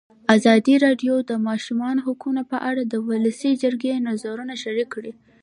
ازادي راډیو د د ماشومانو حقونه په اړه د ولسي جرګې نظرونه شریک کړي.